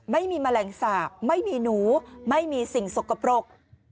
ไม่มีแมลงสาปไม่มีหนูไม่มีสิ่งสกปรก